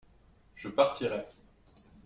Je partirai.